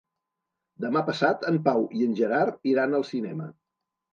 Demà passat en Pau i en Gerard iran al cinema.